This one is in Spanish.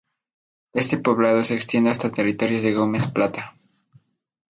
Este poblado se extiende hasta territorios de Gómez Plata.